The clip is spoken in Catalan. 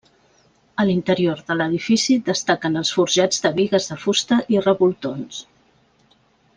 A l'interior de l'edifici destaquen els forjats de bigues de fusta i revoltons.